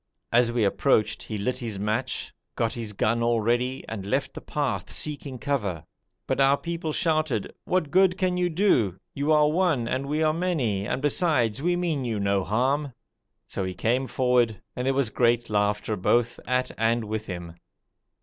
As we approached he lit his match, got his gun all ready, and left the path seeking cover, but our people shouted: 'What good can you do? You are one and we are many, and besides we mean you no harm!' so he came forward, and there was great laughter both at and with him.